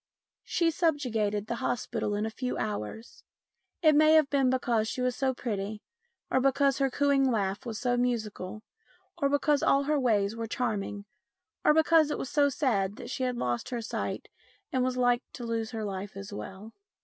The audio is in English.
She subjugated the hospital in a few hours. It may have been because she was so pretty, or because her cooing laugh was so musical, or because all her ways were charming, or because it was so sad that she had lost her sight and was like to lose her life as well.